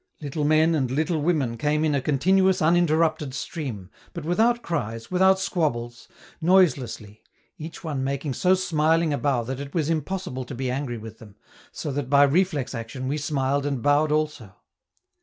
Little men and little women came in a continuous, uninterrupted stream, but without cries, without squabbles, noiselessly, each one making so smiling a bow that it was impossible to be angry with them, so that by reflex action we smiled and bowed also.